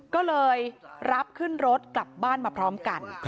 ก็เลยรับขึ้นรถกลับบ้านมาพร้อมกัน